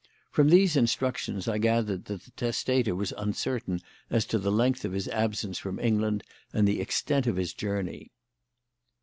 From these instructions I gathered that the testator was uncertain as to the length of his absence from England and the extent of his journey."